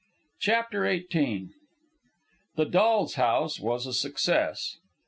CHAPTER XVIII The "Doll's House" was a success.